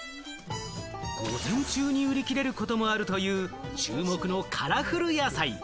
午前中に売り切れることもあるという注目のカラフル野菜。